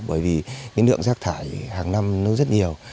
bởi vì lượng rác thải hàng năm rất nhiều